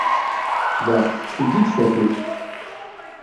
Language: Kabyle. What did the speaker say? Da, tettfeǧǧiǧ tafukt.